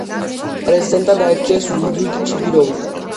პრეზიდენტად აირჩიეს ლუდვიგ ჩიბიროვი.